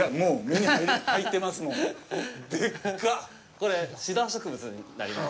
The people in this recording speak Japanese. これ、シダ植物になります。